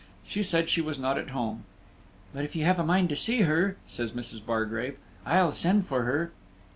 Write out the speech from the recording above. She said she was not at home. "But if you have a mind to see her," says Mrs. Bargrave, "I'll send for her."